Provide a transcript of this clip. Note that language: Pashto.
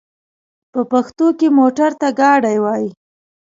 په پښتو کې موټر ته ګاډی وايي.